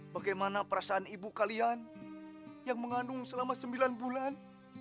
bagaimana perasaan ibu kalian yang mengandung selama sembilan bulan